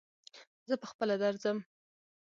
زه پهخپله درځم.